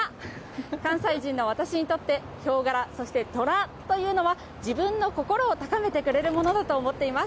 関西人の私にとって、ヒョウ柄、そして虎というのは、自分の心を高めてくれるものだと思っています。